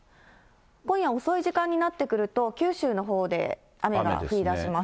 今夜遅い時間になってくると、九州のほうで雨が降りだします。